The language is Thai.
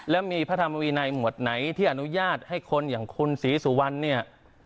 แล้วมีพระธรรมวินัยหมวดไหนที่อนุญาตให้คนอย่างคุณศรีสุวรรณเนี่ย